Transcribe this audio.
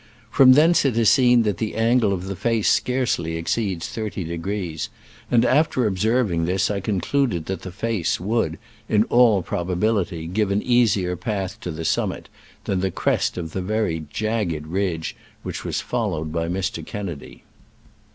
From thence it is seen that the angle of the face scarcely exceeds thirty degrees, and after observing this I concluded that the face would, in all probability, give an easier path to the summit than the crest of the very jagged ridge which was followed by Mr. Kennedy.